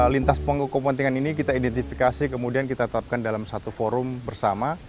lintas pengukuh kepentingan ini kita identifikasi kemudian kita tetapkan dalam satu forum bersama